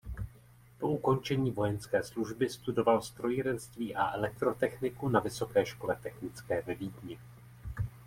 Po ukončení vojenské služby studoval strojírenství a elektrotechniku na Vysoké škole technické ve Vídni.